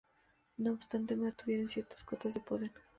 No obstante, mantuvieron ciertas cotas de poder.